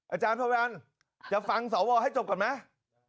อาจารย์ศาลวิทยาลังค์จะฟังสวให้จบก่อนไหม